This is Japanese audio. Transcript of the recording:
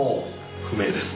不明です。